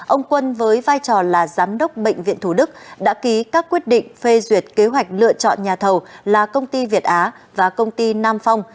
ông quân với vai trò là giám đốc bệnh viện thủ đức đã ký các quyết định phê duyệt kế hoạch lựa chọn nhà thầu là công ty việt á và công ty nam phong